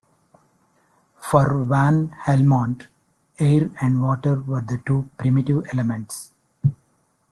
For Van Helmont, air and water were the two primitive elements.